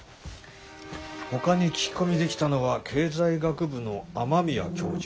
ほかに聞き込みできたのは経済学部の雨宮教授。